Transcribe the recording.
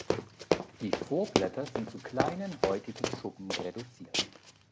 Die Vorblätter sind zu kleinen häutigen Schuppen reduziert.